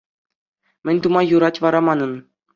Мӗн тума юрать вара манӑн?